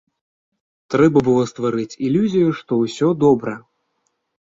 Трэба было стварыць ілюзію, што ўсё добра.